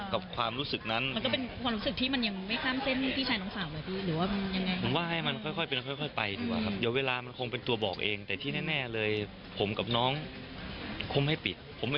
ความรู้สึกนั้นมันก็เป็นความรู้สึกที่มันยังไม่ข้ามเส้นพี่ชายน้องสาวเลยพี่หรือว่ายังไง